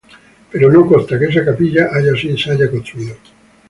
Pero no consta que esa capilla haya sido construida.